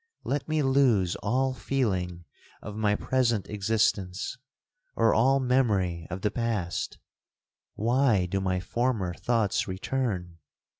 Let me lose all feeling of my present existence, or all memory of the past! Why do my former thoughts return?